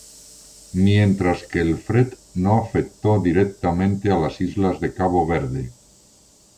Mientras que el Fred no afectó directamente las islas de Cabo Verde.